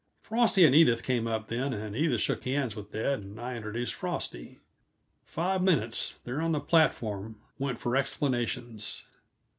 Frosty and Edith came up, then, and Edith shook hands with dad and I introduced Frosty. Five minutes, there on the platform, went for explanations.